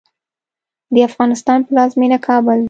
د افغانستان پلازمېنه کابل ده.